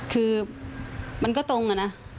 คือมันก็ตรงอะนะ